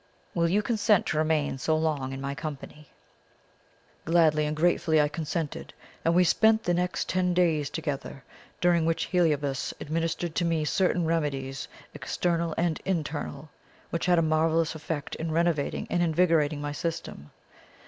Will you consent to remain so long in my company?' "Gladly and gratefully I consented, and we spent the next ten days together, during which Heliobas administered to me certain remedies, external and internal, which had a marvellous effect in renovating and invigorating my system.